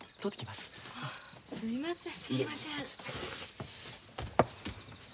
すいません。